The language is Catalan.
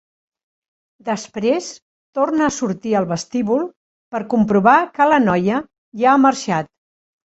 Després torna a sortir al vestíbul, per comprovar que la noia ja ha marxat.